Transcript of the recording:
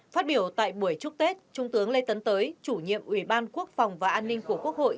phát biểu tại buổi chúc tết trung tướng lê tấn tới chủ nhiệm ủy ban quốc phòng và an ninh của quốc hội